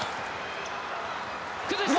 崩した！